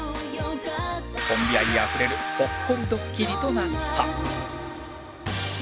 コンビ愛あふれるほっこりドッキリとなった